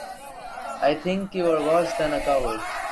I think you are worse than a coward.